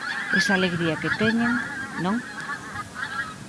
Esa alegría que teñen, non?